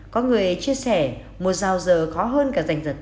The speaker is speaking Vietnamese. có người chia sẻ một dạo giờ khó hơn cả danh dật